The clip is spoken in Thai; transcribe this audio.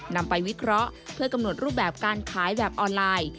นำไปวิเคราะห์เพื่อกำหนดรูปแบบการขายแบบออนไลน์